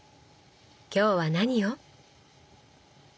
今日は何を？